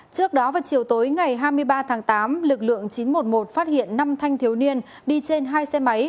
trước đó vào chiều tối ngày hai mươi ba tháng tám lực lượng chín trăm một mươi một phát hiện năm thanh thiếu niên đi trên hai xe máy